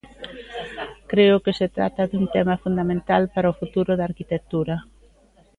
Creo que se trata dun tema fundamental para o futuro da arquitectura.